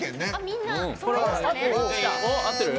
みんな、そろいましたね。